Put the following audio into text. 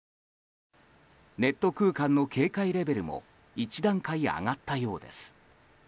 ネット空間の警戒レベルも１段階上がったようです。